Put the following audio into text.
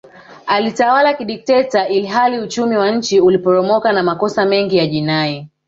Alitawala kidikteta ilihali uchumi wa nchi uliporomoka na makosa mengi ya jinai